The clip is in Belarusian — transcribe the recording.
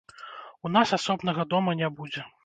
У нас асобнага дома не будзе.